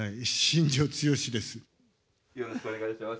よろしくお願いします。